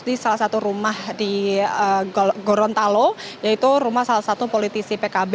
di salah satu rumah di gorontalo yaitu rumah salah satu politisi pkb